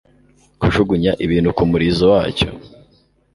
kujugunya ibintu kumurizo wacyo